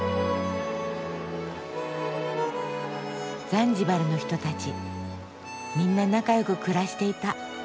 ザンジバルの人たちみんな仲良く暮らしていた。